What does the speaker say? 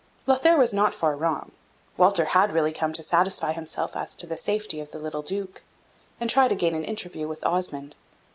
Lothaire was not far wrong; Walter had really come to satisfy himself as to the safety of the little Duke, and try to gain an interview with Osmond.